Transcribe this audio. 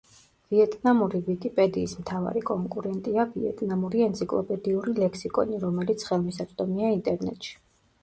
ვიეტნამური ვიკიპედიის მთავარი კონკურენტია ვიეტნამური ენციკლოპედიური ლექსიკონი, რომელიც ხელმისაწვდომია ინტერნეტში.